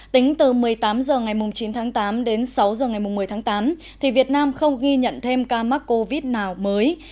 tính từ một mươi tám h ngày chín tháng tám đến sáu h ngày một mươi tháng tám việt nam không ghi nhận thêm ca mắc covid nào mới